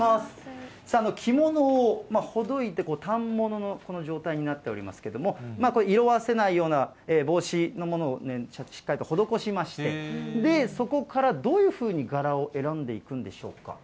着物をほどいて反物のこの状態になっておりますけれども、これ、色あせないような、防止のものをしっかりと施しまして、そこからどういうふうに柄を選んでいくんでしょうか。